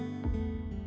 padahal dia masih ngambek